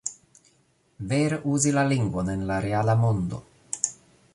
Vere uzi la lingvon en la reala mondo."